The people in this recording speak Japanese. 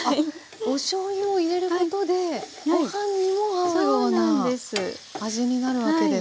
おしょうゆを入れることでご飯にも合うような味になるわけですか。